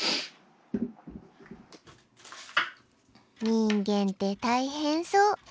人間って大変そう。